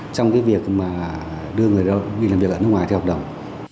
trong cái việc mà đưa người đi làm việc ở nước ngoài theo hợp đồng